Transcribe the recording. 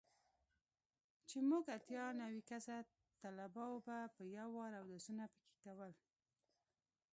چې موږ اتيا نوي کسه طلباو به په يو وار اودسونه پکښې کول.